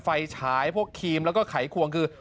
ไฟฉายพวกครีมแล้วก็ไขควงคือ